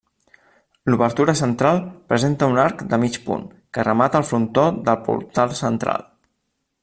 L'obertura central presenta un arc de mig punt que remata el frontó del portal central.